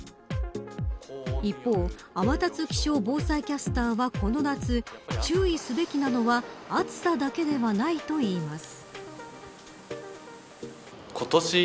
一方、天達気象防災キャスターはこの夏注意すべきなのは暑さだけではないといいます。